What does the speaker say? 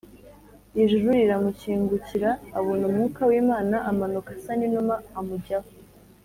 ijuru riramukingukira abona Umwuka w’Imana amanuka asa n’inuma amujyaho